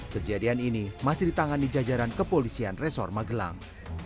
kejadian ini masih ditangani jajaran kepolisian resor magelang